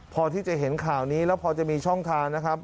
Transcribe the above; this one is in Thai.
พอที่จะเห็นข่าวนี้แล้วพอจะมีช่องทางนะครับ